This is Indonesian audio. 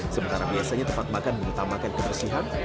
sementara biasanya tempat makan mengutamakan kebersihan